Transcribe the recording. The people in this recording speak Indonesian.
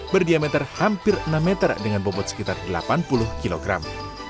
berdiameter hampir enam meter dengan bobot sekitar delapan puluh kilogram